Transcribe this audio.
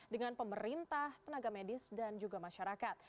dengan pemerintah tenaga medis dan juga masyarakat